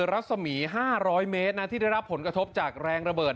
รัศมี๕๐๐เมตรนะที่ได้รับผลกระทบจากแรงระเบิด